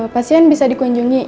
pasien bisa dikunjungi